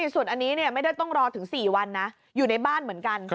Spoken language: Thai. ส่วนอันนี้ไม่ได้ต้องรอถึง๔วันนะอยู่ในบ้านเหมือนกัน